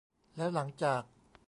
แล้วหลังจาก